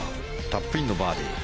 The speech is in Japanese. タップインのバーディー。